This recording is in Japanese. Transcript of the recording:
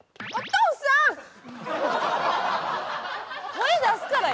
声出すからや！